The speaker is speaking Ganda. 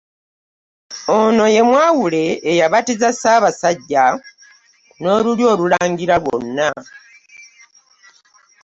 Ono ye mwawule eyabatiza ssaabasajja n'olulyo olulangira lwonna.